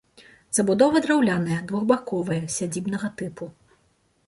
Забудова драўляная, двухбаковая, сядзібнага тыпу.